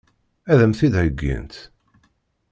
Ad m-t-id-heggint?